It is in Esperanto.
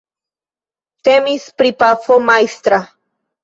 Temis pri pafo majstra.